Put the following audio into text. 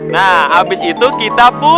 nah abis itu kita pun